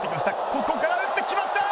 ここから打って決まったー！